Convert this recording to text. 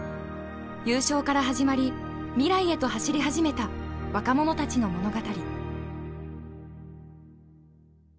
優勝から始まり未来へと走り始めた若者たちの物語。